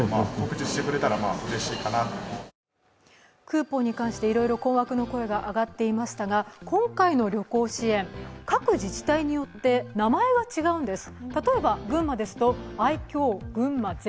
クーポンに関していろいろ困惑の声が上がっていましたが今回の旅行支援、各自治体によって名前が違うんです。